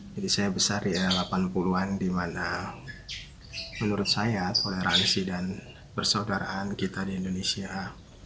jadi saya besar ya delapan puluh an dimana menurut saya toleransi dan persaudaraan kita di indonesia